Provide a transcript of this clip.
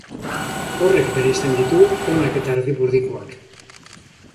Horrek bereizten ditu onak eta erdipurdikoak.